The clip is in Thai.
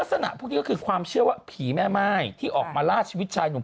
ลักษณะพวกนี้ก็คือความเชื่อว่าผีแม่ม่ายที่ออกมาล่าชีวิตชายหนุ่ม